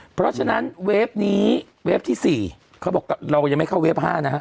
เพราะฉะนั้นเวฟนี้เวฟที่๔เขาบอกเรายังไม่เข้าเวฟ๕นะฮะ